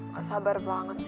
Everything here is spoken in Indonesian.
gak sabar banget sih